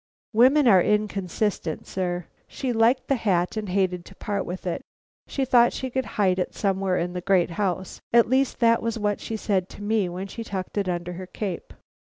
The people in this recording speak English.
"Women are inconsistent, sir. She liked the hat and hated to part with it. She thought she could hide it somewhere in the great house, at least that was what she said to me when she tucked it under her cape."